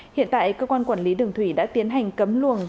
hiện tại cơ quan quản lý đường thủy đã tiến hành cấm luồng